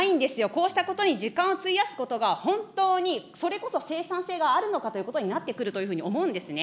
こうしたことに時間を費やすことが本当に、それこそ生産性があるのかということになってくるというふうに思うんですね。